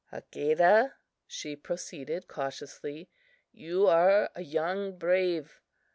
"Hakadah," she proceeded cautiously, "you are a young brave.